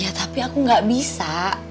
ya tapi aku gak bisa